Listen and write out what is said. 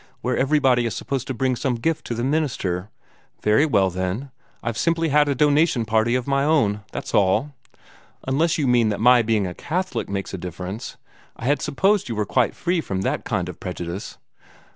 where everybody is supposed to bring some gift to the minister. Very well, then, I've simply had a donation party of my own, that's all. Unless you mean that my being a Catholic makes a difference. I had supposed you were quite free from that kind of prejudice."